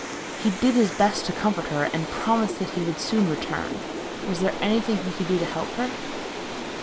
He did his best to comfort her and promised that he would soon return. Was there anything he could do to help her?